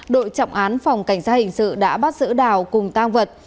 đội trọng án phòng cảnh sát hình sự đã bắt giữ đào cùng tang vật